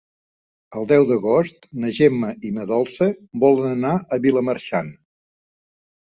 El deu d'agost na Gemma i na Dolça volen anar a Vilamarxant.